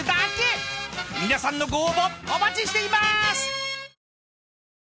［皆さんのご応募お待ちしています］